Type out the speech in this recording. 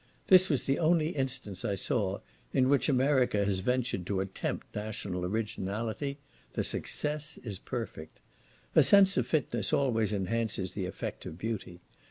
This was the only instance I saw, in which America has ventured to attempt national originality; the success is perfect. A sense of fitness always enhances the effect of beauty.